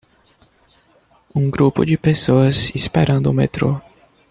Um grupo de pessoas esperando o metrô.